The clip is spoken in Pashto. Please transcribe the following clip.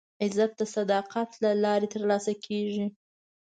عزت د صداقت له لارې ترلاسه کېږي.